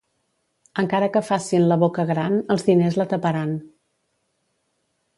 Encara que facin la boca gran, els diners la taparan.